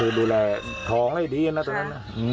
คือดูแลทองให้ดีนะตอนนั้น